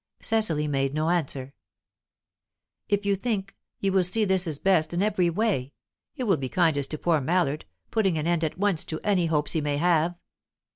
Cecily made no answer. "If you think, you will see this is best in every way. It will be kindest to poor Mallard, putting an end at once to any hopes he may have."